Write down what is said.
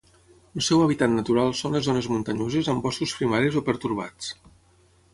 El seu hàbitat natural són les zones muntanyoses amb boscos primaris o pertorbats.